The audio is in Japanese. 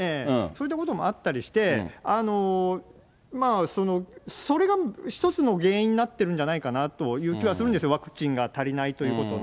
そういったこともあったりして、それが一つの原因になってるんじゃないかなという気はするんですよ、ワクチンが足りないということの。